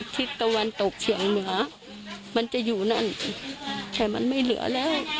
ทิศตะวันตกเฉียงเหนือมันจะอยู่นั่นแต่มันไม่เหลือแล้ว